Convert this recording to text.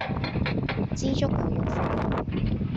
枝竹牛肉飯